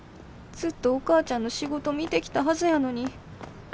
ずっとお母ちゃんの仕事見てきたはずやのに。